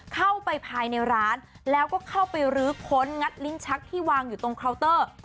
เข้าไปภายในร้านแล้วก็เข้าไปรื้อค้นงัดลิ้นชักที่วางอยู่ตรงเคาน์เตอร์